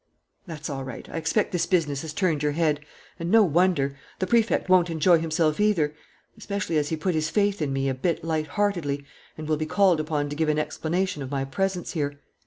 "That's all right. I expect this business has turned your head. And no wonder.... The Prefect won't enjoy himself, either, ... especially as he put his faith in me a bit light heartedly and will be called upon to give an explanation of my presence here.